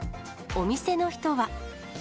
お店の人は。